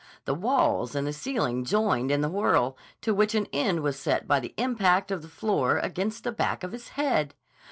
The walls and the ceiling joined in the whirl, to which an end was set by the impact of the floor against the back of his head.